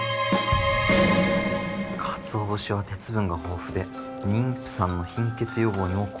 かつお節は鉄分が豊富で妊婦さんの貧血予防にも効果的と。